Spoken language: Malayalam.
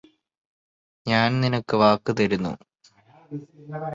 ഞാന് നിനക്ക് വാക്ക് തരുന്നു